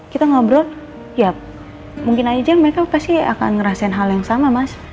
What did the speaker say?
kita ngobrol ya mungkin aja mereka pasti akan ngerasain hal yang sama mas